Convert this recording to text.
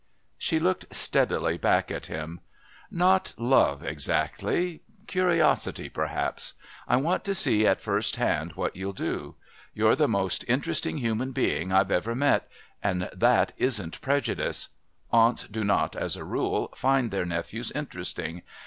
She looked steadily back at him. "Not love exactly. Curiosity, perhaps. I want to see at first hand what you'll do. You're the most interesting human being I've ever met, and that isn't prejudice. Aunts do not, as a rule, find their nephews interesting.